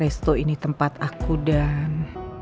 resto ini tempat aku dan